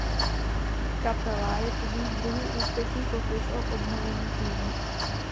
Kapela je tudíž druhý úspěšný pokus o obnovení Queen.